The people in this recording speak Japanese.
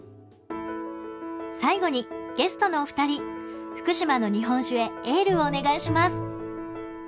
最後にゲストのお二人福島の日本酒へエールをお願いします。